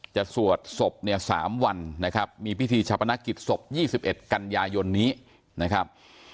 สวดศพเนี่ย๓วันนะครับมีพิธีชาปนกิจศพ๒๑กันยายนนี้นะครับ